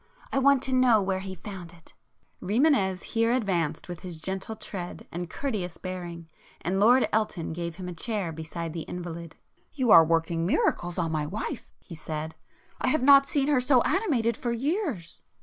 I want to know where he found it—" Rimânez here advanced with his gentle tread and courteous bearing, and Lord Elton gave him a chair beside the invalid. "You are working miracles on my wife,"—he said—"I have not seen her so animated for years."